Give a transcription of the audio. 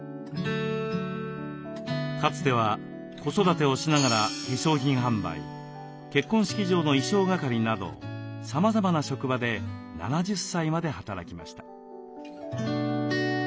かつては子育てをしながら化粧品販売結婚式場の衣装係などさまざまな職場で７０歳まで働きました。